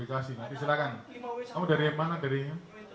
coba nanti saya kasih tahu nanti kamu tanya sama dia